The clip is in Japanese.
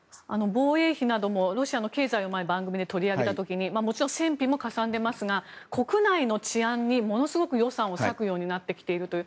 防衛費などもロシアの経済を前、番組で取り上げた時にもちろん戦費もかさんでいますが国内の治安にものすごく予算を割くようになってきているという。